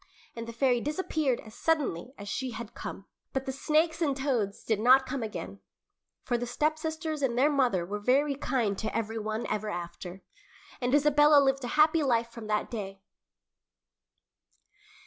And the fairy disappeared as suddenly as she had come. But the snakes and toads did not come again, for the stepsisters and their mother were very kind to every one ever after, and Isabella lived a happy life from that day.